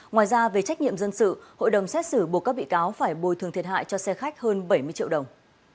ngoài ra về trách nhiệm dân sự hội đồng xét xử buộc các bị cáo phải bồi thường thiệt hại cho xe khách hơn bảy mươi triệu đồng